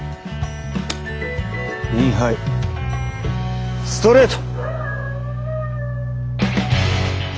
インハイストレート！